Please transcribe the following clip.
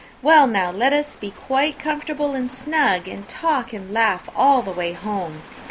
Well, now let us be quite comfortable and snug, and talk and laugh all the way home.